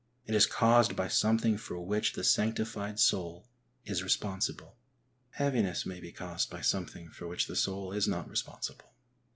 It is caused by something for which the sanctified soul is responsible. Heaviness may be caused by something for which the soul is not responsible.